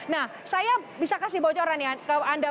nah saya bisa kasih bocoran ya